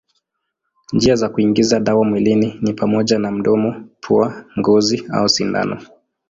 Njia za kuingiza dawa mwilini ni pamoja na mdomo, pua, ngozi au sindano.